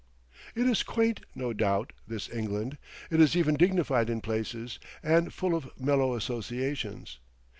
It is quaint, no doubt, this England—it is even dignified in places—and full of mellow associations.